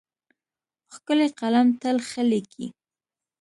ښکلی قلم تل ښه لیکي.